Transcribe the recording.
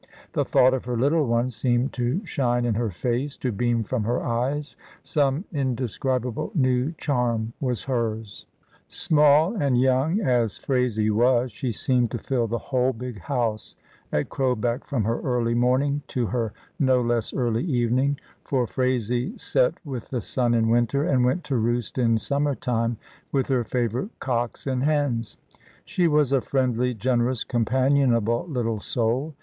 The thought of her little one seemed to shine in her face, to beam from her eyes — some indescribable new charm was hers. I ABOUT PHRATSIE. 273 Small and young as Phraisie was, she seemed to fill the whole big house at Crowbeck from her early morning, to her no less early evening, for Phraisie set with the sun in winter and went to roost in summer time with her favourite cocks and hens. She was a friendly, generous, companionable little soul.